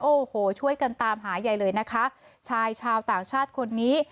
โอ้โหช่วยกันตามหาใหญ่เลยนะคะชายชาวต่างชาติคนนี้